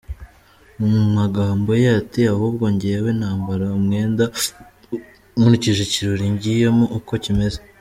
Mu magambo ye ati “ Ahubwo njyewe nambara umwenda nkurikije ikirori ngiyemo uko kimeze.